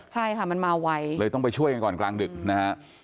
ใช่ค่ะมันมาไวเลยต้องไปช่วยกันก่อนกลางดึกนะฮะ